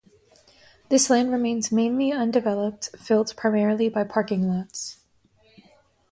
This land remains mainly undeveloped, filled primarily by parking lots.